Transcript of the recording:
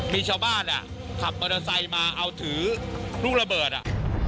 มีชาวบ้านอ่ะขับมอเตอร์ไซค์มาเอาถือลูกระเบิดอ่ะ